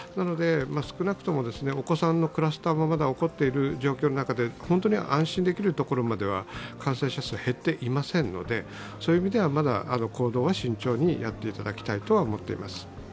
少なくともお子さんのクラスターもまだ起こっている状況の中で安心できるところまでは感染者数は減っていませんので、そういう意味ではまだ行動は慎重にやっていただきたいと思っています。